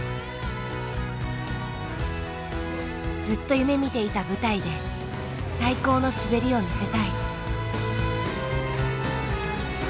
ずっと夢みていた舞台で最高の滑りを見せたい。